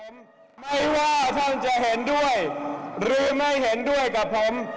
ผมไม่ว่าท่านจะเห็นด้วยหรือไม่เห็นด้วยกับผม